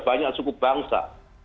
ada banyak suku bangsa